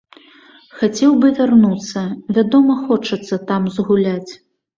Хацеў бы вярнуцца, вядома хочацца там згуляць.